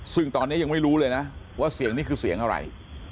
ซึ่งตอนนี้ยังไม่รู้เลยนะว่าเสียงนี้คือเสียงอะไร